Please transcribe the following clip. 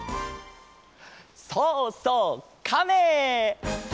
そうそうカメ！